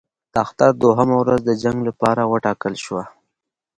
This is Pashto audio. د اختر دوهمه ورځ د جنګ لپاره وټاکل شوه.